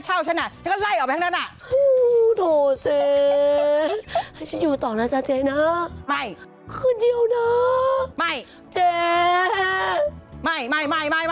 โห้ยเบือกตรงโห้ย